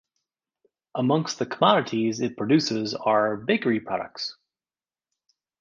Amongst the commodities it produces are bakery products.